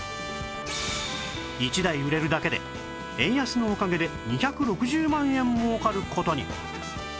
１台売れるだけで円安のおかげで２６０万円儲かる事に